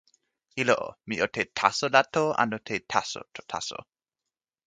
ilo o, mi o te "taso la" to anu te "taso" to taso?